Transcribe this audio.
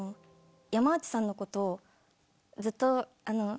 山内さんのことずっとあの。